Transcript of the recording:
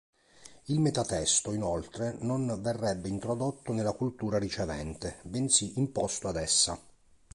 Il metatesto, inoltre, non verrebbe introdotto nella cultura ricevente, bensì "imposto" ad essa.